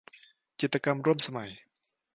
จิตรกรรมร่วมสมัย